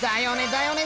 だよね！